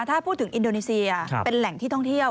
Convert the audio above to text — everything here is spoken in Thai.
ถ้าพูดถึงอินโดนีเซียเป็นแหล่งที่ท่องเที่ยว